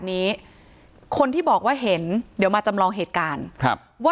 ที่มีข่าวเรื่องน้องหายตัว